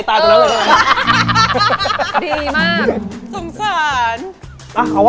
ผมกล้ามเผ็ดใจตายตัวเนอะว่ะ